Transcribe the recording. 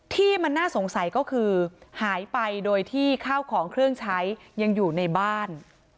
ที่มันน่าสงสัยก็คือหายไปโดยที่ข้าวของเครื่องใช้ยังอยู่ในบ้าน